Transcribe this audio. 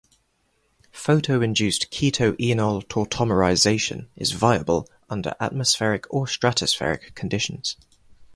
Photo-induced keto-enol tautomerization is viable under atmospheric or stratospheric conditions.